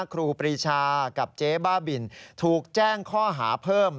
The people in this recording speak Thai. ครูปรีชากับเจ๊บ้าบินถูกแจ้งข้อหาเพิ่ม